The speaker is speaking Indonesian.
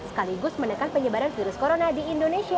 sekaligus menekan penyebaran virus corona di indonesia